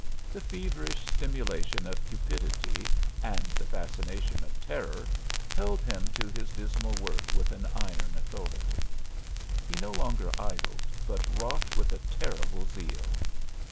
The feverish stimulation of cupidity and the fascination of terror held him to his dismal work with an iron authority. He no longer idled, but wrought with a terrible zeal.